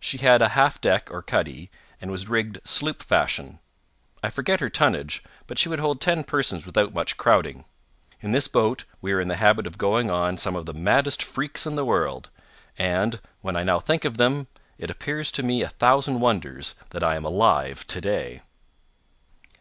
She had a half deck or cuddy, and was rigged sloop fashion—I forget her tonnage, but she would hold ten persons without much crowding. In this boat we were in the habit of going on some of the maddest freaks in the world; and, when I now think of them, it appears to me a thousand wonders that I am alive to day.